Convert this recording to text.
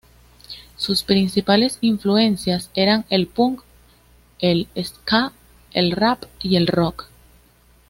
Sus principales influencias eran el punk, el ska, el rap y el rock.